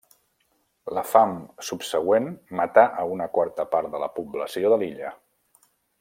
La fam subsegüent matà a una quarta part de la població de l'illa.